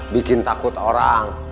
bikin takut orang